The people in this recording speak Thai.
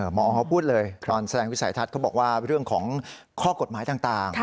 หมอเขาพูดเลยตอนแสดงวิสัยทัศน์เขาบอกว่าเรื่องของข้อกฎหมายต่าง